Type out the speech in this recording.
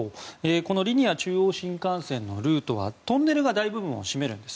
このリニア中央新幹線のルートはトンネルが大部分を占めるんです。